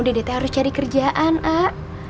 dedete harus cari kerjaan a a t